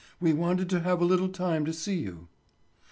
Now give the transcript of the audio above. "We wanted to have a little time to see you."